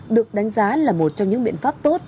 được đánh giá là một trong những biện pháp tốt